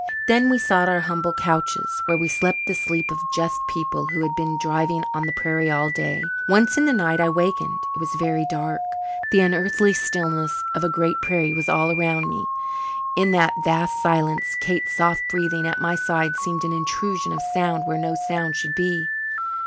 Then we sought our humble couches, where we slept the sleep of just people who had been driving over the prairie all day. Once in the night I wakened. It was very dark. The unearthly stillness of a great prairie was all around me. In that vast silence Kate's soft breathing at my side seemed an intrusion of sound where no sound should be.